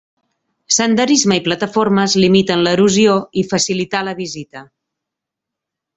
Senderisme i plataformes limiten l'erosió i facilitar la visita.